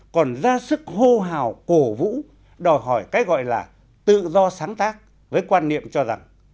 còn ra sức hô hào cổ vũ đòi hỏi cái gọi là tự do sáng tác với quan niệm cho rằng